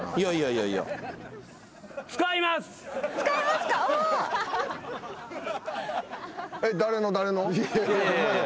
いやいやお前や。